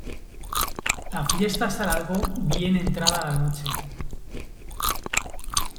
La fiesta se alargó bien entrada la noche.